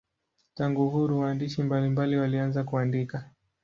Tangu uhuru waandishi mbalimbali walianza kuandika.